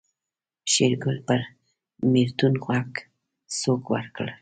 شېرګل پر مېږتون غوږ سوک ورکړ.